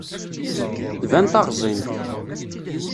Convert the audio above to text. Tban taɣẓint.